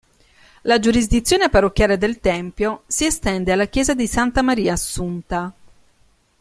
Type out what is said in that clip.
La giurisdizione parrocchiale del tempio si estende alla chiesa di Santa Maria Assunta.